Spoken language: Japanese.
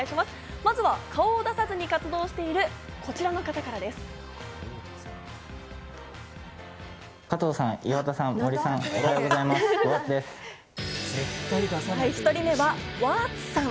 まずは顔を出さずに活動しているこちらの１人目はＷｕｒｔＳさん。